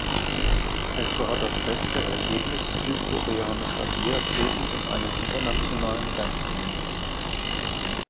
Es war das beste Ergebnis südkoreanischer Biathleten in einem internationalen Rennen.